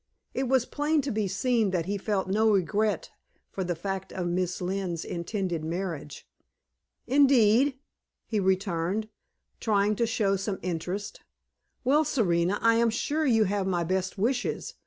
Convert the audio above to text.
It was plain to be seen that he felt no regret for the fact of Miss Lynne's intended marriage. "Indeed?" he returned, trying to show some interest. "Well, Serena, I am sure you have my best wishes.